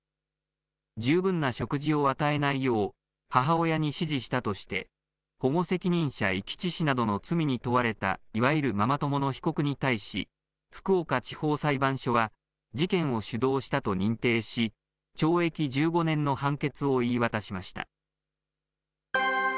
十分な食事を与えないよう母親に指示したとして、保護責任者遺棄致死などの罪に問われた、いわゆるママ友の被告に対し、福岡地方裁判所は、事件を主導したと認定し、懲役１５年の判決を言い渡しました。